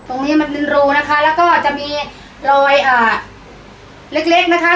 ตรงนี้มันเป็นรูนะคะแล้วก็จะมีรอยอ่าเล็กเล็กนะคะ